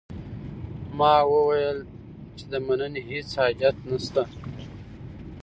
ما وویل چې د مننې هیڅ حاجت نه شته.